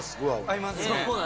合いますね。